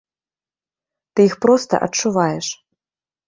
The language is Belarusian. Ты іх проста адчуваеш.